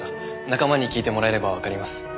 仲間に聞いてもらえればわかります。